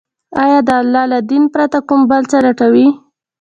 آيا د الله له دين پرته كوم بل څه لټوي،